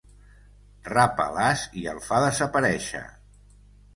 Rapa l'as i el fa desaparèixer.